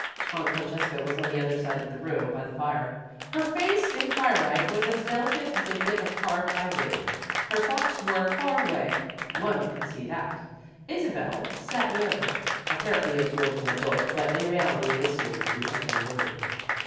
Aunt Francesca was on the other side of the room, by the fire. Her face, in the firelight, was as delicate as a bit of carved ivory. Her thoughts were far away one could see that. Isabel sat near her, apparently absorbed in a book, but, in reality, listening to every word.